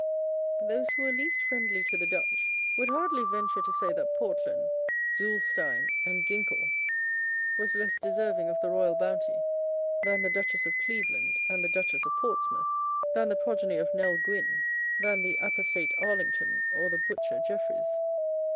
Those who were least friendly to the Dutch would hardly venture to say that Portland, Zulestein and Ginkell was less deserving of the royal bounty than the Duchess of Cleveland and the Duchess of Portsmouth, than the progeny of Nell Gwynn, than the apostate Arlington or the butcher Jeffreys.